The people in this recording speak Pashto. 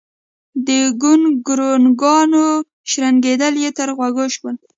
د ګونګرونګانو شړنګېدل يې تر غوږ شول